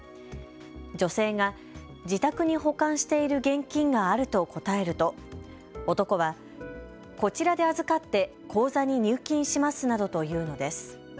女性が自宅に保管している現金があると答えると男はこちらで預かって口座に入金しますなどと言うのです。